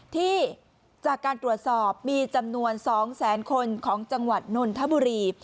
ที่จากการตรวจสอบมีจำนวน๒แสนคนของจังหวัดนนทบุรี